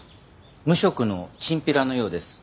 無職のチンピラのようです。